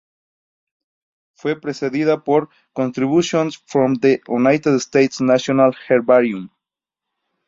Fue precedida por "Contributions from the United States National Herbarium".